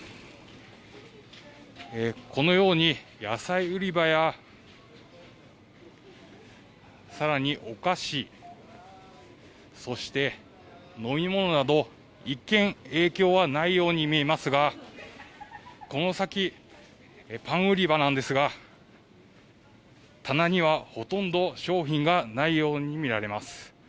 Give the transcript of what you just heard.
このように、野菜売り場やさらにお菓子、そして飲み物など、一見、影響はないように見えますが、この先、パン売り場なんですが、棚にはほとんど商品がないように見られます。